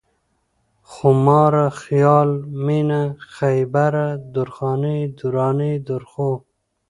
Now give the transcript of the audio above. خوماره ، خيال مينه ، خيبره ، درخانۍ ، درانۍ ، درخو